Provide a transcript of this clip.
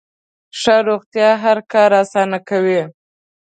ښه روغتیا هر کار اسانه کوي.